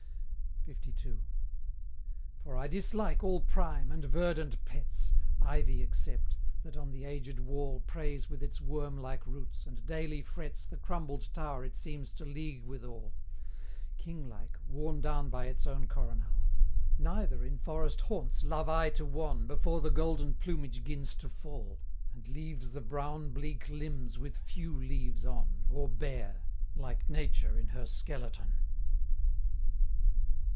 LII. "For I dislike all prime, and verdant pets, Ivy except, that on the aged wall Prays with its worm like roots, and daily frets The crumbled tower it seems to league withal, King like, worn down by its own coronal: Neither in forest haunts love I to won, Before the golden plumage 'gins to fall, And leaves the brown bleak limbs with few leaves on, Or bare like Nature in her skeleton."